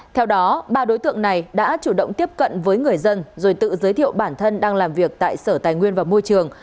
theo đó ba đối tượng này đã chủ động tiếp cận với người dân rồi tự giới thiệu bản thân đang làm việc tại sở tài nguyên và môi trường